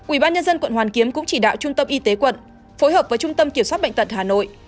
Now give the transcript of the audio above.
ubnd quận hoàn kiếm cũng chỉ đạo trung tâm y tế quận phối hợp với trung tâm kiểm soát bệnh tật hà nội